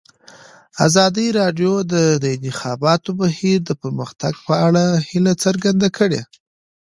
ازادي راډیو د د انتخاباتو بهیر د پرمختګ په اړه هیله څرګنده کړې.